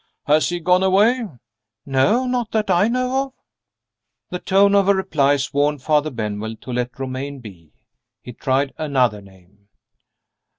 "Has he gone away?" "Not that I know of." The tone of her replies warned Father Benwell to let Romayne be. He tried another name.